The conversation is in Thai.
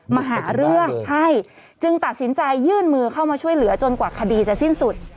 มาหาเรื่องใช่จึงตัดสินใจยื่นมือเข้ามาช่วยเหลือจนกว่าคดีจะสิ้นสุด